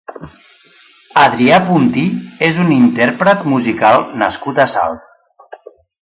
Adrià Puntí és un intérpret musical nascut a Salt.